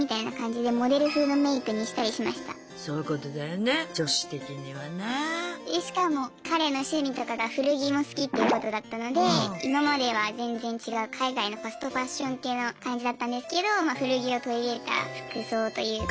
でしかも彼の趣味とかが古着も好きっていうことだったので今までは全然違う海外のファストファッション系の感じだったんですけど古着を取り入れた服装というか。